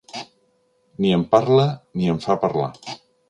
Ni em parla ni em fa parlar.